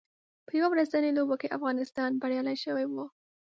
په یو ورځنیو لوبو کې افغانستان بریالی شوی و